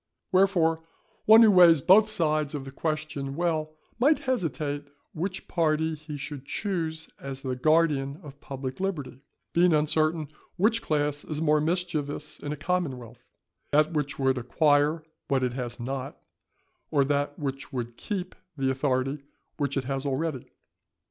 Wherefore one who weighs both sides of the question well, might hesitate which party he should choose as the guardian of public liberty, being uncertain which class is more mischievous in a commonwealth, that which would acquire what it has not, or that which would keep the authority which it has already.